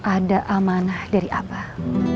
ada amanah dari abah